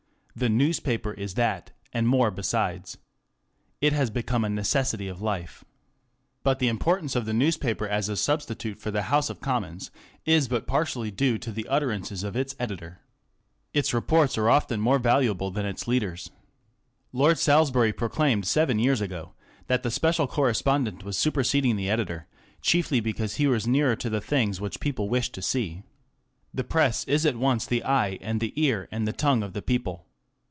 The newspaper is that, and more besides. Jt has become a necessity of life. f~ But the importance of the newspaper as a substitute for the House of Commons is but partially due to the utterances of its editor. Its reports are often more valuable than its leaders. Lord Salisbury proclaimed seven years ago that the special correspondent was super seding the editor, chiefly because he was nearer to the things which people wished to see. The Press is at once the eye and the ear and the tongue of the people.